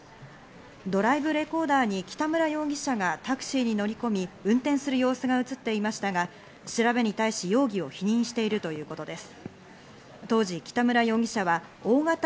ドライブレコーダーに北村容疑者がタクシーに乗り込み、運転する様子が映っていましたが、調べに対し容疑を否認しているということです。